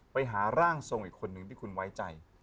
ไปหาร่างทรงอีกคนนึงที่คุณไว้ใจ